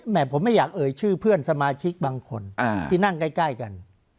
ผมไม่อยากเอ่ยชื่อเพื่อนสมาชิกบางคนที่นั่งใกล้กัน